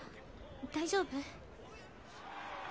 大丈夫？